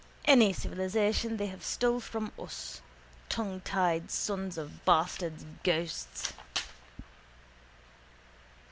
Any civilisation they have they stole from us. Tonguetied sons of bastards' ghosts.